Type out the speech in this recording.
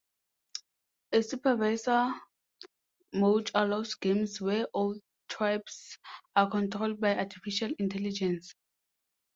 A supervisor mode allows games where all tribes are controlled by artificial intelligence.